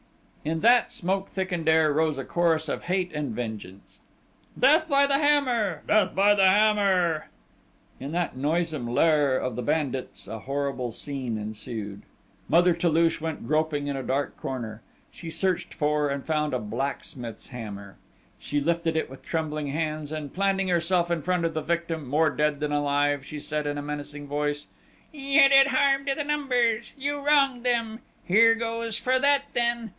In that smoke thickened air rose a chorus of hate and of vengeance. "Death by the hammer! Death by the hammer!" In that noisome lair of the bandits a horrible scene ensued. Mother Toulouche went groping in a dark corner. She searched for, and found, a blacksmith's hammer. She lifted it with trembling hands, and planting herself in front of the victim, more dead than alive, she said in a menacing voice: "You did harm to the Numbers! You wronged them! Here goes for that then!"